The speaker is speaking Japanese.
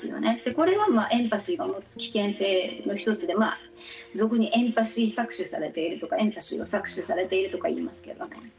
これはエンパシーが持つ危険性の一つで俗にエンパシー搾取されているとかエンパシーを搾取されているとか言いますけど。